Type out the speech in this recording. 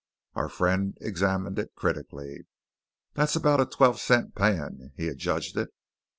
Our friend examined it critically. "That's about a twelve cent pan," he adjudged it.